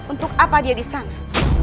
untuk apa dia disana